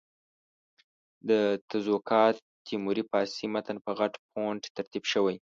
د تزوکات تیموري فارسي متن په غټ فونټ ترتیب شوی.